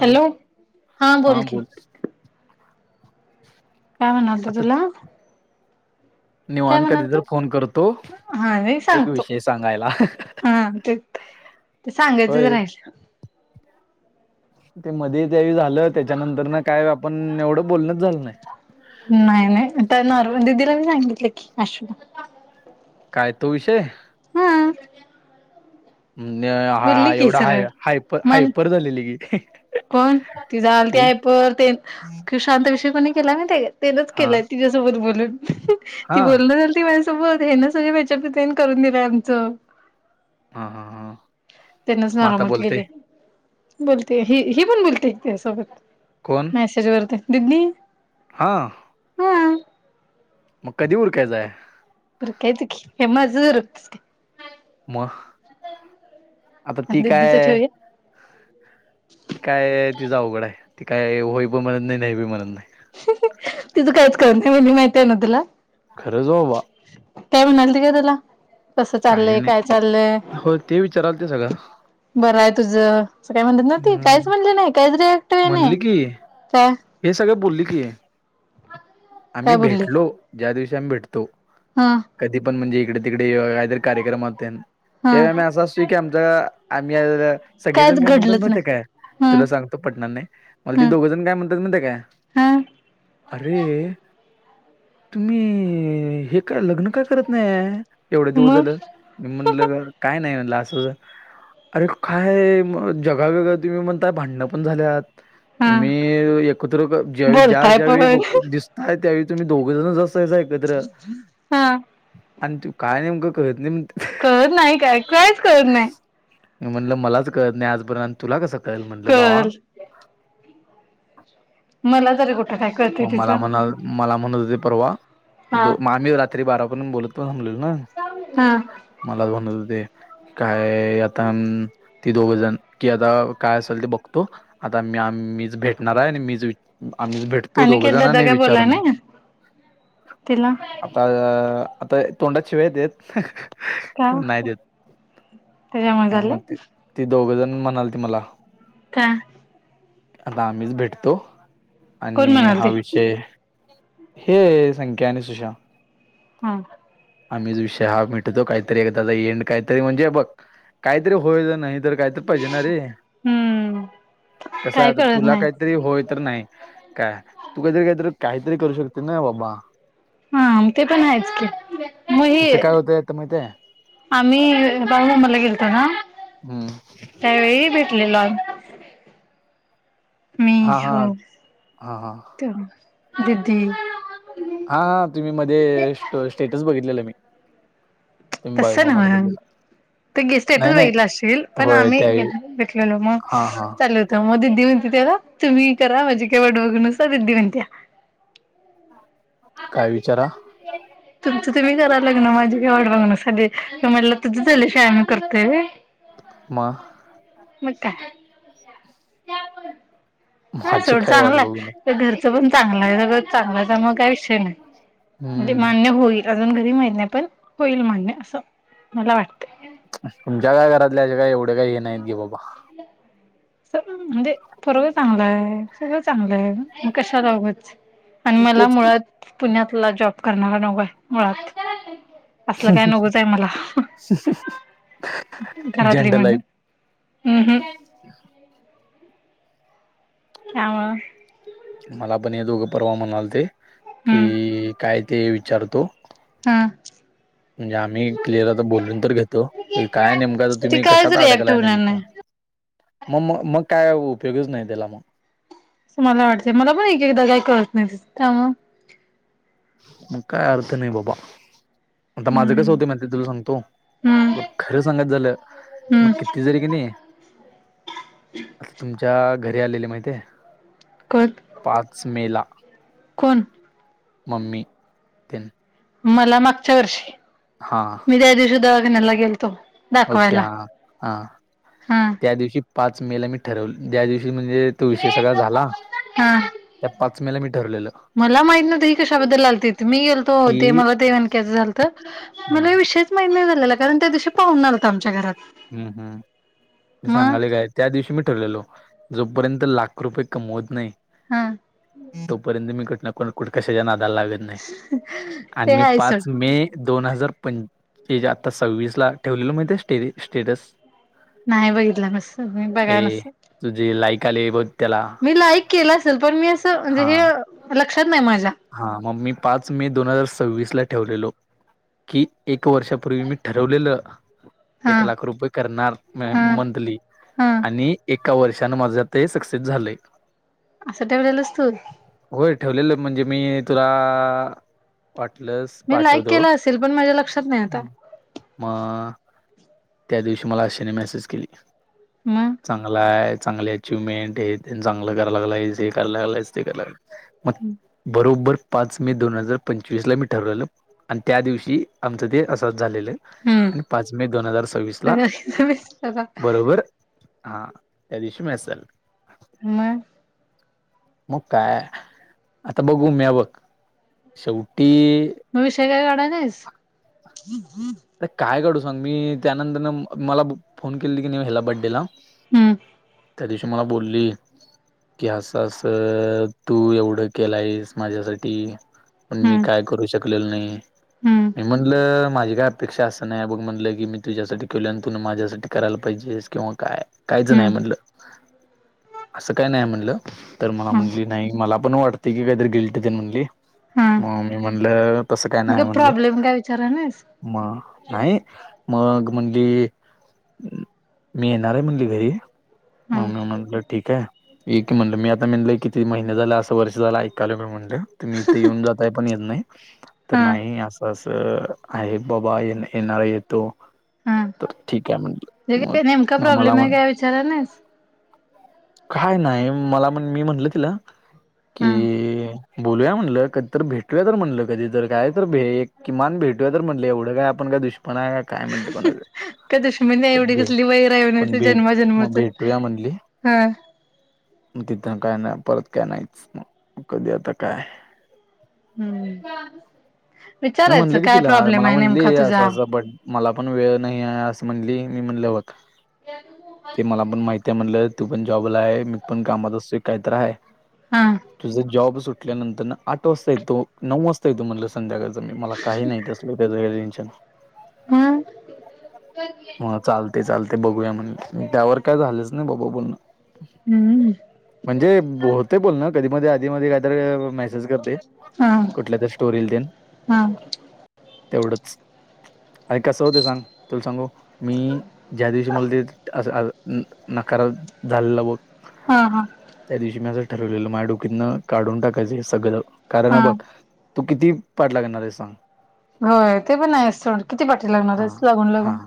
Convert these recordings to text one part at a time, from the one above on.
Hello, हां बोल की. [inaudible] काय म्हणालतो तुला? काय निवान कधी तरर म्हणालतो फोन करतो हा नाही एक सांगतो विषय सांगायला हा ते ते सांगायचंच होय राहायच. ते मध्ये त्या झा त्याच्यानंतर काय आपण एवढं बोलणच झालं नाही. न दिदीला मी सांगितलं की अश् काय तो विषय? हम म्हणजे हा एवढा हाय हायपर मण हायपर झालेली की कोण ती जाल ती हायपर प तेि शांत विषय कोणी केला मच हा केलाय तिच्या्यासोबत बोलून ती हा बोलल झाल त माझ सोबत हे ना सगळ बचार करून दिलंय आमच हा हा हा त्यांनच मग नार आता बोलते म्हटलेले बोलते ह हे पण बोलते त्यासोबत कोण मेसेज वरती दिदी हा हा मग कधी उर कायचय? उर कायच की हे मझूर मग आता ती दिदीच काय ठेवूया ती काय तिचां अवघड आहे ती काय होय पण म्हणत नाही नाही बी म्हणत नाही. ति तू कायच करून मी माहती आहे ना तुला? खरंच बाबा. काय म्हणाल त का तुला कसं काही चाललय नाही काय चाललय. हो ते विचाराल ते सगळं बरं आहे तुझ अस काय म्हणतत ना ते काहीच म्हणले नाही काही मनली की हे सगळे बोलली की आहे काय आम्ही बोलली भेटलो ज्या दिवशी आम्ही भेटतो हा कधी पण म्हणजे इकडे तिकडे काहीतरी कार्यक्रम होते हा त्यावेमही असं असू की आमचा आम्ही कायच सगळेजण काय म्हणतात घडलंच म ते नाही काय हम्म तुला सांगतो पटनांर नाही मला ती हम्म दोघं जण काय म्हणतात हा अरे तुम्ही हे काय लग्न का करत नाही? एवढे दिवस मग झालं मी म्हणलं काय नाही ला अरे काय जगावेेगळ तुम्ही म्हणताय भांडण पण झाल्यात हा तुम्ही एकत्र ज्या ज्या बोलताय ज्यावेळी बघ पण दिसताय त्यावेळी तुम्ही दोघ जण हा आणि तू काय नेमकं कळत नाही. मी कळत नाही काय कायच कळत नाही. म्हटलं मलाच कळत नाही आजपर्यंत आणि तुला कसं कळेल म्हटलं भावा. कळल मला तरी कुठ मग मला म्हणाल मला म्हणत होता परवा हा आम्ही रात्री बारापर्यंत बोलत बसलेलो. मंग हा मलाच म्हणत होते काय आता म ती दोघ जण कि आता काय असेल ते बघतो आता मी आम मीच भेटणार आहे आणि मीच आम्हीच भेट तो दोघ अनिकेत जण दादा आणि काय बोलला विचारून बघतो नाही तिला आता अ.. आता तोंडात शिव्या का येत्यात. नाही देत त्याच्यामुळे अ झाले मग ती ती दोघजण म्हणालती मला काय? आता आम्हीच भेटतो कोण आणि म्हणाल हा ते विषय हे संख्या आणि सुशा हा आम्हीच विषय हा मिटवतो काहीतरी एकदाचा एंड काहीतरी म्हणजे बघ काहीतरी होयल नाही तर काहीतर पाहिजेणारे हम्म कस काय आता कळत तुला नाही काहीतरी होय तर नाही. काय तू काहीतरी काहीतरी काहीतरी करू शकते ना बाबा हा मग ते पण आहेच की मग हे इथं काय होतंय आता माहित आहे आम्ही बाळू मामाला गेलतो ना हम्म त्यावेळी भेटलेलो आम्ही मी हा हा हो हा हा हा तेव्हा दिदी हा हा तुम्ही मध्ये स्ट स्टेटस बघितलेलं मी तुमी तसं बाळूमामाला नव्ह गेलेल ते गे स्टेटस बघीतला असशील पण आम्ही त्यावेळी भेट. भेेटलेलो मग हा हा चाललो होतो मग दिदी विचारा तुम्ही करा माझी काय वाट बघू नकोसा दिदी म्हणत्या काय विचारा तुमचं तुमी करा लग्न माझी काय वाट बघू नकोसा दि म्हटलं तुझं झाल्याशिवाय आम्ही करतोय व्हय मग मग काय हा माझी सोड काय वाट चांगलाय बघून ते घर च पण चांगल हाय सगळच चांगलाय हाय मग काही विषय नाही म्हणजे हम्म मान्य होईल अजून घरी माहित नाही पण होईल मान्य असं मला वाटतं तुमच्या काय घरातले असे काही एवढे काही हे नाहीत घे बाबा स. म्हणजे पोरग चांगलं आहे सर्व चांगलं आहे मग कशाला उगच आणि मला तेच की मुळात पुण्यातला जॉब करणारा नकोय मुळात असलं काय नकोच आहे मला घरातली झंड मान्य लाईफ अ ह हवा मला पण हे दोघं परवा म्हणालते हम्म की काय ते विचारतो हा. म्हणजे आम्ही क्लिअर आता बोलून तर घेतो काय नेमकं तर ती तुम्ही कायच कशात रिॲक्ट अडकलाय होणार नेमकं नाही मग मग मग काय उपयोगच नाही त्याला मग अस मला वाटतंय मला पण एक एकदा काही कळत नाही अस का मग त्यामुळं मग काय अर्थ नाही बाबा आता माझं हम्म कस होतय माहिताय तुला सांगतो हम्म मग खरं सांगत झालं मी हम्म किती जरी की नाही आता तुमच्या घरी आलेले माहिताय कोण पाच मे ला कोण मम्मी तेन मला मागच्या वर्षी मी त्या दिवशी दवाखान्याला गेलतो ओके दाखवायला हा हा हा त्या दिवशी पाच मे ला मी ठरवलं ज्या दिवशी ते तो विषय सगळा झाला हा त्या पाच मे ला मी ठरलेलं मला माहित नव्हतं ही कशाबद्दल आलतीत मी गेलतो की ते मला ते मणक्याचं झालतं हम्म मला विषय यच माहीत नाही मला कारण त्या दिवशी पाहुणा आलता आमच्या घरात हम हम मग सांगालोय काय त्या दिवशी मी ठरलेलो जो प पर्यंत मी लाख रुपये कमवत नाही हा तोपर्यंत मी कुटणं कुठ कशाच्या ना दाला लागत नाही आण ते मी हाय पाच सोड मे दोन हजार पं आता सव्वीस ला ठेवलेल माहि ते स्टेटस नाही बघितलं मसत बघा नसत कालेव मी लाईक केलं असेल पण मी अस हा हा मग मी पाच मे दोन हजार सव्वीस ला ठेवलेलो की एक वर्षापूर्वी मी ठरवलेलं हा एक लाख रुपये करणार हा मंथली हा आणि एका वर्षानने माझं ते सक्सेस झालेय सट्या वळेल असतू ठेवलेलं म्हणजे मी तुला वाट लस मी लाईक पाठवतो केला असेल पण माझ्या लक्षात नाही आता मग त्या दिवशी मला अशेने मेसेज केली मग चांगला आहे चांगले अचिव्हमेंट हे चांगलं कराय लागयस हे कराय लागयच ते कराय लाग मग बरोबबर पाच मे दोन हजार पंचवीस ला मी ठरवलेलो आणि त्या दिवशी आमचा दे असा झालेले हम्म आणि पाच मे दोन हजार सव्वीस ला मग बरोबर हा यादीश मसल म मग काय आता बघू मी बघ शेवटी आता मग विषय काय काढा नाहीस आर काय काढू सांग मी त्यानंतर मला फोन केली की ह्याला बड्डे ला हम्म त्या दिवशी मला बोलली की हसास तू एवढं केलायस माझ्यासाठी पण मी हम्म काय करू शकलेल नाही हम्म मी म्हणलं माझी काय अपेक्षा असं नाही बघ म्हटलं की मी तुझ्यासाठी केलं आणि तु माझ्यासाठी करायला पाहिजेस किंवा काय काहीच नाही हम्म म्हणलं असं काय नाही म्हणलं तर मला हम्म म्हटली नाही मला पण वाटते क कायर गेल््टते म्हणली हा मग मी म्हणलं तसं काय नाही मग म्हणलं प्रॉब्लेम काय विचारा नाहीस म नाहीय मग म्हणली मी येणार आहे म्हणली घरी हा ममी म ठीक आहे एक की म्हणलं मी आता म्हणलय किती महिने झाला असं वर्ष झालं ऐकालो मी म्हण मी इथे येऊन जाताय पण येत नाही तर हा नाही असं अस आहे बाबा ये येणाररा येतो हा तर ठीक आहे जे म्हणटलं मग काय नेमका म मला प्रॉब्लेम आहे म्हण काय विचारा नाहीस काय नाही मला म्हण मी म्हटलं तिला हा की बोलूया म्हटलं कधी तर भेटूया तर म्हणटलं कधी जर काय तर भ किमान भेटूया तर म्हटलं एवढं काय आपण का दुष्पणा आहे काय म्हणते कोणाचं का दुश्मी तर एवढी भेट कसली वैरह पण नची भेट मग जन्माजन्माच भेटूया म्हणली हा मग तिथं काय नाही परत काय नाहीच मग कधी आता काय हम्म मी विचारायचं म्हणलं की काय तिला प्रॉब्लेम मला आहे म्हणली नेमका असं तुझा असं बट मला पण वेळ नाही आहे असं म्हणली मी म्हणले होत याल ते म्हणले तू पण जॉबला आहे मी पण कामात असो काहीत आहे हा तुझ जॉब सुटल्यानंतर आठ वाजता येतो नऊ वाजता येतो म्हटलं संध्याकाळ मी मला काही नाही अस हम्म ह चालते चालते ते बघूया म्हण त्यावर काय झालंच नाही बाबा बोलण हम्म म्हणजे होते बोल ना कधी मध्ये आधी मध्ये काहीतरी मेसेज करते हा कुठल्या तर स्टोरीला देन हा तेवढंच अरे कस होत सांग तुला सांगू मी ज्या दिवशी मला ते न करत झालं मग हा हा त्या दिवशी मी असं ठरवलेलं माझ्या डोकीतनं काढून टाकायचं हे सगळं कारण हा बघ तू किती पाठ लागणार आहे सांग होय ते पण आहे अस किती पाठी लागणार हा आहे लागून हा लागून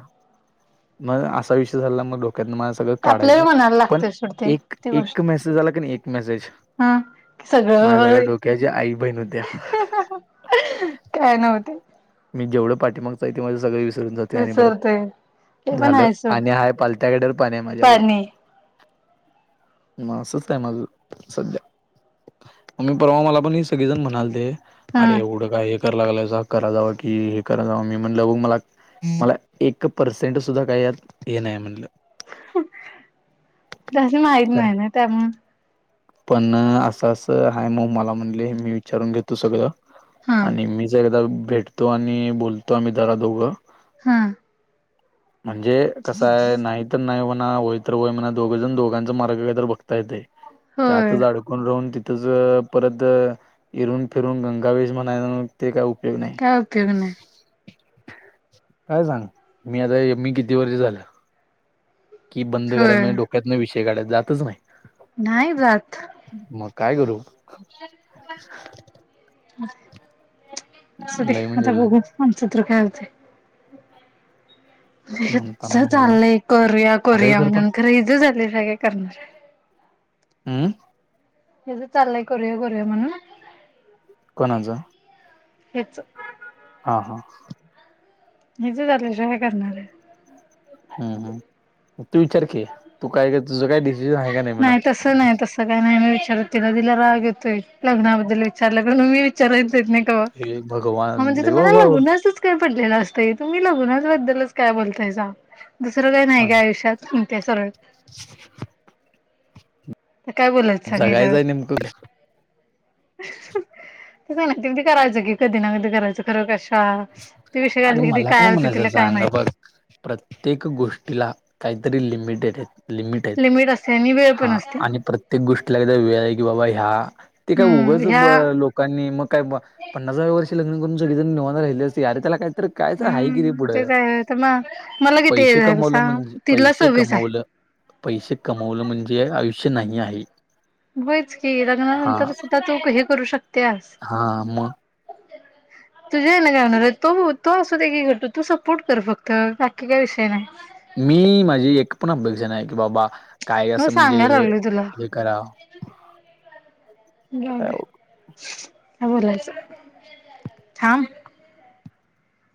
मग असा विषय झाला मग ड मला सगळं आपल्याला काढायचं म्हणायला पण लागते सोड ते एक ती गोष्ट एक मेसेज आला की नाही एक मेसेज हा माझ्या सगळ्या सगळं डोक्याच्या आई बहिण होत्या काय नव्हते मी जेवढं पाठीमागत आहे ते माझ सगळं विसरून जाते आणि विसरतोय ते परत पण झालं आहे सोड आणि हाय पालत्याकडेर पण आहे माझ्याकडे पाणी मासच आहे माझं सध्या मम्मी परवा मला पण ह सगळीजण म्हणालते हा अरे एवढं काय हे करा लागलाय कराय वाटत की हे कराय जावं मी म्हटलं बघ मला मला एक पर्सेंट सुद्धा काही यात हे नाही म्हणलं तस माहत नाही ना त्यामु पण असं अस आहे मग मला म्हणले मी विचारून घेतो सगळं हा आणि मी ज एकदा भेटतो आणि बोलतो आम्ही दरा दोघं हा म्हणजे कसंय नाही तर नाही म्हणा होय तर होय म्हणा दोघेजण दोघांचा मार्ग का तर बघ होय त्यातच अडकून राहून तच परत इरून फिरून गंगावेश म्हणायला ते काय उपयोग नाही काय उपयोग नाही काय सांग मी आता मी किती वर्ष झालं कि बंद करायन होय म्हणजे डोक्यातन विषय काढत जातच नाही नाही जात मग काय गुरु म ते लय म्हणजे आता लय बघू म्हणसत काय होते म्हणताना म्हणलं चाललंय कोरिया कोरिया हळेकर पण म्हणून खर इज चालंय सगळे करणार हम्म हे तर चालय करया करया म्हण कोणाचं हेच हा हा इथ लंशिवाय करणार आहे हम् हम तू विचार क तू काय का तुझं काय डिसिजन आहे म्हणा नाही तस नाही तसं काय नाही मी विचार दिला रागय लग्नाबद्दल विचारलंग मी विचार नाही हे भगवान म्हणजे लय म बाबा का पड असतं तुम्ही लगुनाचबद्दलच काय बोलताय दुसरं काही नाही का आयुष्यात त्या सगळ्या काय बोलाय सांगाच्यावर जगायचंय नेमकं ते स करायचं की कधी ना कधी करायचं खरं कश अरे मला काय म्हणायचं तिला काय सांगा बघ माहित प्रत्येक गोष्टीला काहीतरी लिमिटेड आहेत लिमिट आहेत असते आणि वेळ पण हा असते आणि प्रत्येक गोष्टीला एकदा वेळ आहे की बाबा ह्या ते काय हम्म उगच ह्या लोकांनी मग का पन्स हव्या वर्ष लग्नून सग जण निवाणार राहिली असते अरे त्याला का तर कायच आहे किती हम्म पुढं तेच आहे तर मग मला किती पैसे एज आहे कमवलं सांग म्हणजे तिला पैसे सव्वीस आहे. कमवलं पैसे कमवलं म्हणजे आयुष्य नाही आहे होईच कि हा लग्नानंतर सुद्धा तू हे करू शकतेस. हा मग ते तुझे आहे ना काय होणार तो तो अस दे की? मी माझी एक पण अपेक्षा नाही की बाबा, काय मग असं म्हणजे सांगायला हे करा. जाऊ काय द्या. ह बोलायचं हा,